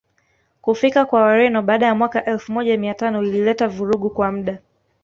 kufika kwa Wareno baada ya mwaka elfu moja mia tano ilileta vurugu kwa muda